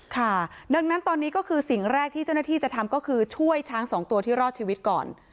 ค่ะดังนั้นตอนนี้ก็คือสิ่งแรกที่เจ้าหน้าที่จะทำก็คือช่วยช้างสองตัวที่รอดชีวิตก่อน